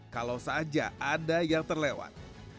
kalau saja ada yang terlewat